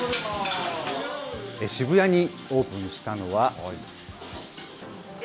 渋谷にオープンしたのは。